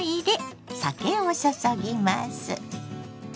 酒を注ぎます。